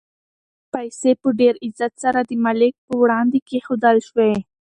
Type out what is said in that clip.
پیسې په ډېر عزت سره د مالک په وړاندې کېښودل شوې.